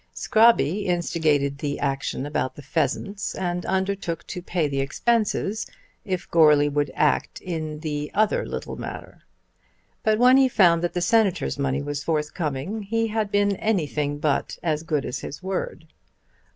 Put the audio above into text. Scrobby instigated the action about the pheasants, and undertook to pay the expenses if Goarly would act in the other little matter. But, when he found that the Senator's money was forthcoming, he had been anything but as good as his word.